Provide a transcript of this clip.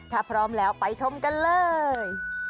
ถ้าพร้อมแล้วไปชมกันเลย